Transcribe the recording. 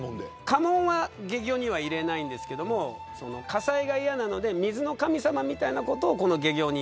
家紋は懸魚には入れないんですけど火災が嫌なので水の神様みたいなことをこの懸魚に。